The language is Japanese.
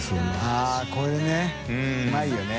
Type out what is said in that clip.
あっこれねうまいよね。